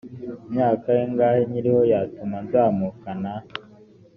imyaka ingahe nkiriho yatuma nzamukana